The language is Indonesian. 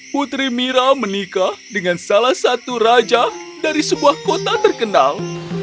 putri mira menikah dengan salah satu raja dari sebuah kota terkenal